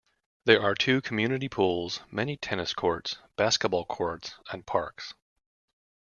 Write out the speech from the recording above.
There are two community pools, many tennis courts, basketball courts and parks.